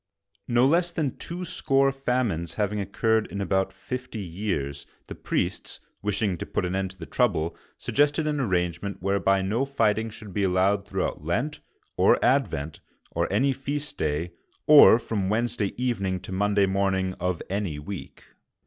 No less than twoscore famines having occurred in about fifty years, the priests, wishing to put an end to the trouble, suggested an arrangement whereby no fighting should be allowed throughout Lent or Advent, or any feast day, or from Wednesday evening to Monday morn ing of any week.